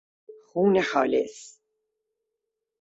خون خالص